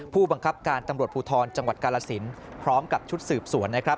ผู้บังคับการตำรวจภูทรจังหวัดกาลสินพร้อมกับชุดสืบสวนนะครับ